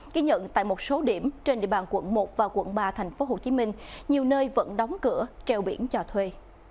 ký nhận tại một số điểm trên địa bàn quận một và quận ba tp hcm nhiều nơi vẫn đóng cửa treo biển cho thuê